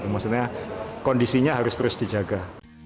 maksudnya kondisinya harus terus dijaga